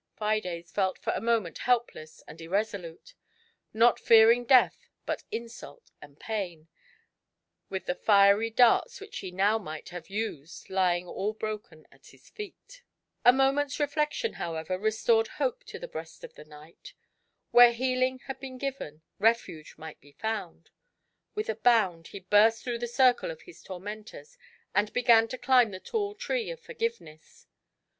Fides felt for a moment helpless and irreaolute, not fearing death, but insult and pain, with the fiery darts which he now might have used lying all broken at his feet. GIANT HATE. 105 A moment's reflection, however, restored hope to the breast of the knight ; where heaUng had been given, refuge might be found; with a bound he burst through the circte of his tormentors, and began to climb the tall tree of Forgiveness.